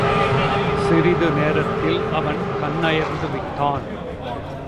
சிறிது நேரத்தில் அவன் கண்ணயர்ந்து விட்டான்.